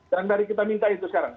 dan dari kita minta itu sekarang